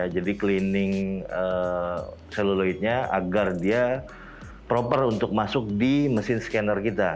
jadi cleaning seluloidnya agar dia proper untuk masuk di mesin scanner kita